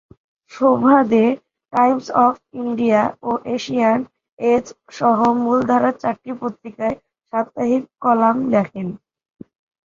Shobha De Times of India ও Asian Age সহ মূলধারার চারটি পত্রিকায় সাপ্তাহিক কলাম লেখেন।